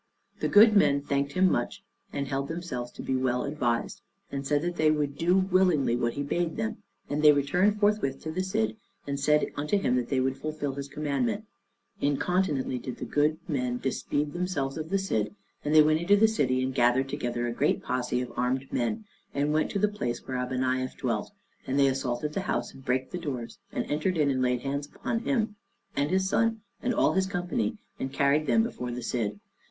The good men thanked him much, and held themselves to be well advised, and said that they would do willingly what he bade them; and they returned forthwith to the Cid, and said unto him that they would fulfill his commandment. Incontinently did the good men dispeed themselves of the Cid, and they went into the city, and gathered together a great posse of armed men, and went to the place where Abeniaf dwelt; and they assaulted the house and brake the doors, and entered in and laid hands on him, and his son, and all his company, and carried them before the Cid.